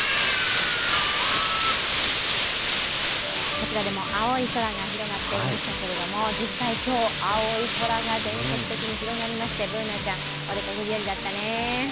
こちらでも青い空が広がっていましたけど実際、今日青い空が全国的に広がりまして、Ｂｏｏｎａちゃん、お出かけ日よりだったね。